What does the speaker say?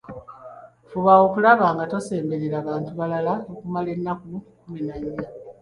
Fuba okulaba nga tosemberera bantu balala okumala ennaku kkumi na nnya.